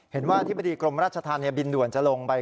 เห็นว่าอธิบดีกรมรัชธรณบินด่วนจะลงไป